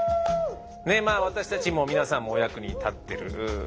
私たちも皆さんもお役に立ってる。